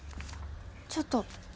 ちょっと。